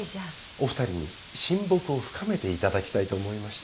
お二人に親睦を深めていただきたいと思いまして。